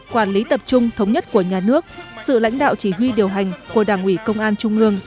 quản lý tập trung thống nhất của nhà nước sự lãnh đạo chỉ huy điều hành của đảng ủy công an trung ương